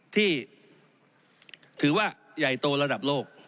ที่ถือว่าใหญ่โตระดับโลก